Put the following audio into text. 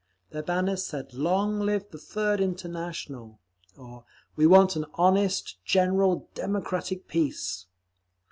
Their banners said, "Long live the Third International!" or "We Want an Honest, General, Democratic Peace!"